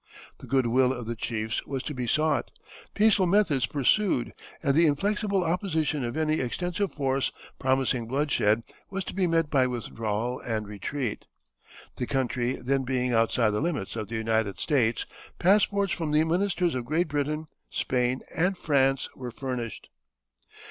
The good will of the chiefs was to be sought, peaceful methods pursued, and the inflexible opposition of any extensive force promising bloodshed was to be met by withdrawal and retreat. The country then being outside the limits of the United States, passports from the ministers of Great Britain, Spain, and France were furnished.